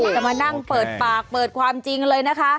จะมานั่งเปิดปากเปิดความจริงเลยนะคะ